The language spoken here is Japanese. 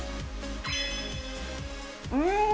うん！